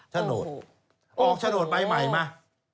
ฉโนตออกฉโนตใบใหม่มา